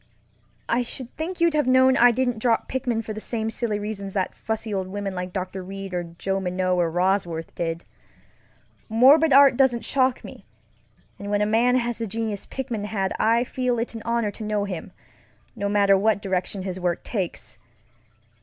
I should think you'd have known I didn't drop Pickman for the same silly reasons that fussy old women like Dr. Reid or Joe Minot or Bosworth did. Morbid art doesn't shock me, and when a man has the genius Pickman had I feel it an honor to know him, no matter what direction his work takes.